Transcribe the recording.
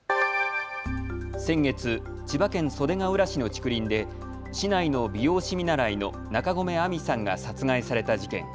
先月、千葉県袖ケ浦市の竹林で市内の美容師見習いの中込愛美さんが殺害された事件。